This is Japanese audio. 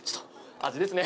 味ですね。